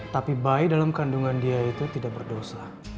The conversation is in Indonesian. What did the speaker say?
tapi bayi dalam kandungan dia itu tidak berdosa